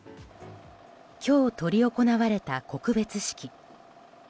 今日執り行われた告別式。